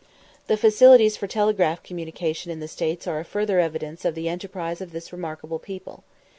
The facilities for telegraphic communication in the States are a further evidence of the enterprise of this remarkable people.